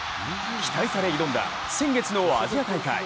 期待され、挑んだ先月のアジア大会。